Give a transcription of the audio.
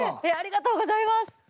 えっありがとうございます！